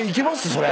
それ。